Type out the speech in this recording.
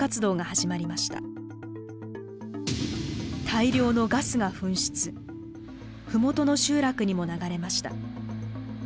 大量のガスが噴出麓の集落にも流れました。